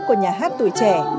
của nhà hát tuổi trẻ